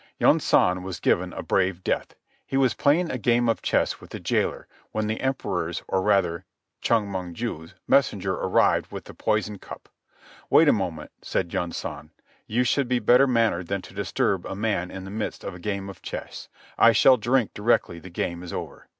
Yunsan was given a brave death. He was playing a game of chess with the jailer, when the Emperor's, or, rather, Chong Mong ju's, messenger arrived with the poison cup. "Wait a moment," said Yunsan. "You should be better mannered than to disturb a man in the midst of a game of chess. I shall drink directly the game is over."